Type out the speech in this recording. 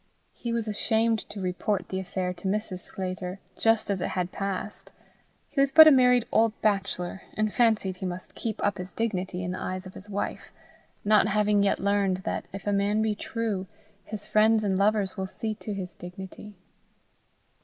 He was ashamed to report the affair to Mrs. Sclater just as it had passed. He was but a married old bachelor, and fancied he must keep up his dignity in the eyes of his wife, not having yet learned that, if a man be true, his friends and lovers will see to his dignity.